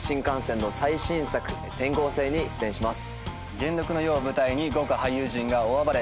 元禄の世を舞台に豪華俳優陣が大暴れ。